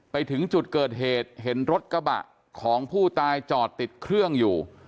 ไปถึงจุดเกิดเหตุเห็นรถกระบะของผู้ตายจอดติดเครื่องอยู่